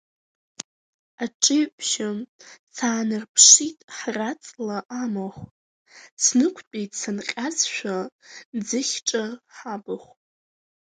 Аҿеҩбжьы, саанарԥшит ҳраҵла амахә, снықәтәеит санҟьазшәа Ӡыхьҿа ҳабахә.